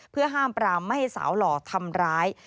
เพื่อห้ามปรามไม่ให้สาวหล่อทำร้าย